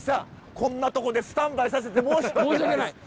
こんなとこでスタンバイさせて申し訳ないです。